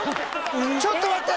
ちょっと待って！